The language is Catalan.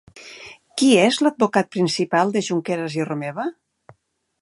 Qui és l'advocat principal de Junqueras i Romeva?